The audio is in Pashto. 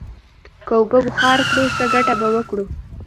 که اوبه بخار کړو، څه گټه به وکړو؟